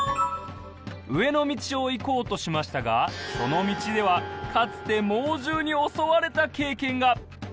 上の道を行こうとしましたがその道ではかつて猛獣におそわれた経験が。